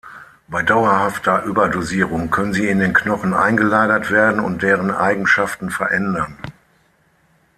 Bei dauerhafter Überdosierung können sie in den Knochen eingelagert werden und deren Eigenschaften verändern.